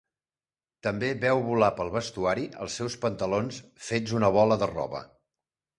També veu volar pel vestuari els seus pantalons fets una bola de roba.